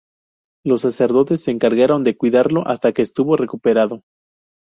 Los sacerdotes se encargaron de cuidarlo hasta que estuvo recuperado.